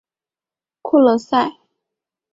库隆塞。